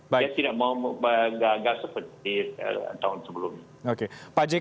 saya tidak mau gagal seperti tahun sebelum ini